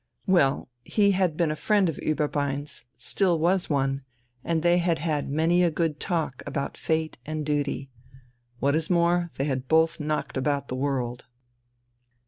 Well, he had been a friend of Ueberbein's, still was one, and they had had many a good talk about fate and duty. What is more, they had both knocked about the world.